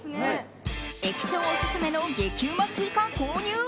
駅長オススメの激うまスイカ購入。